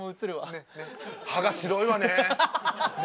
歯が白いわね。